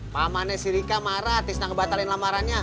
mama ne si rika marah tisna kebatalin lamarannya